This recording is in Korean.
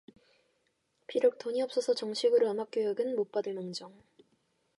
비록 돈이 없어서 정식으로 음악 교육은 못 받을 망정